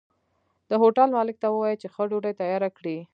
د هوټل مالک ته ووايه چې ښه ډوډۍ تياره کړي